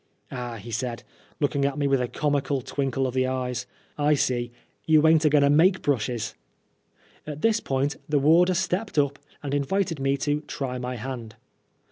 " Ah," he said, looking at me with a comical twinkle of the eyes, " I see you ain't a goin' to make brushes." At this point the warder stepped up, and invited me to "try my hand."